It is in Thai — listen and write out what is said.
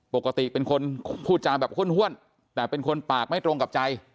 ปกติเป็นคนพูดจาแบบห้วนแต่เป็นคนปากไม่ตรงกับใจ